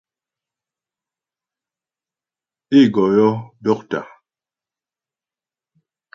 Ê gɔ yɔ́ dɔ́ktà.